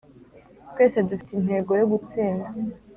Twese dufite intego yo gutsinda